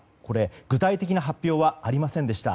具体的な発表はありませんでした。